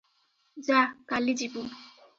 ଯା – କାଲି ଯିବୁ।